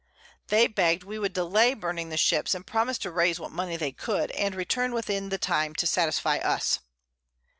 They beg'd we would delay burning the Ships, and promis'd to raise what Money they could, and return within the time to satisfy us.